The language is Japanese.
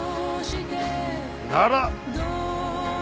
なら。